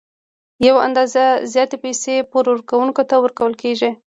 یوه اندازه زیاتې پیسې پور ورکوونکي ته ورکول کېږي